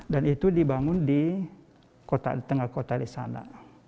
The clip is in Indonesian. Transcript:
dan itu dibangun di tengah kota di sana